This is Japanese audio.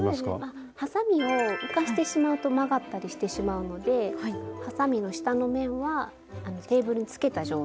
はさみを浮かしてしまうと曲がったりしてしまうのではさみの下の面はテーブルにつけた状態で。